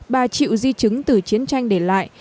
bà chịu di chứng từ chiến tranh để lại